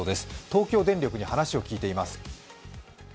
東京電力に話を聞いています。